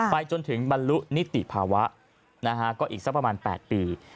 ไปจนถึงบรรลุนิติภาวะก็อีกสักประมาณ๘ปี